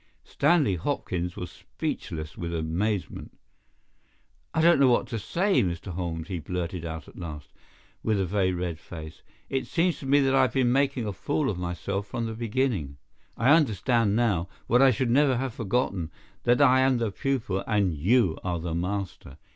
Stanley Hopkins was speechless with amazement. "I don't know what to say, Mr. Holmes," he blurted out at last, with a very red face. "It seems to me that I have been making a fool of myself from the beginning. I understand now, what I should never have forgotten, that I am the pupil and you are the master.